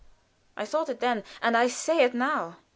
I thought it then, and I say it now.